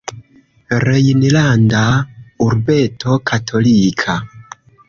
Rejnlanda urbeto katolika.